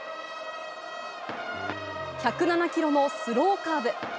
１０７キロのスローカーブ。